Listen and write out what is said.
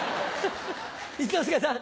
一之輔さん。